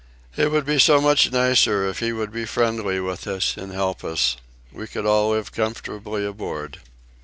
"It would be so much nicer if he would be friendly with us and help us. We could all live comfortably aboard."